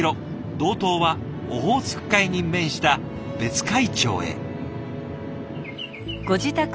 道東はオホーツク海に面した別海町へ。